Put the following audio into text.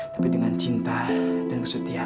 tapi dengan cinta dan kesetiaan